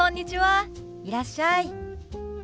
いらっしゃい。